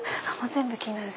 全部気になる！